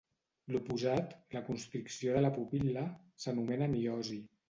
L'oposat, la constricció de la pupil·la, s'anomena miosi.